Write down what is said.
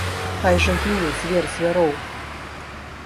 Хай жа гіне звер звяроў!